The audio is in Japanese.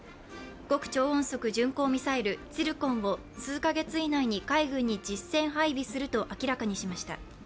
極超音速ミサイル・ツィルコンを数カ月以内に海軍に実戦配備すると明らかにしました。